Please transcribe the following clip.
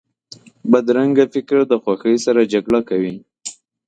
بدرنګه فکر د خوښۍ سره جګړه کوي